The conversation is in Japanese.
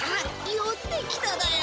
よってきただよ！